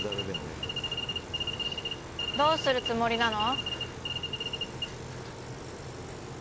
どうするつもりなの？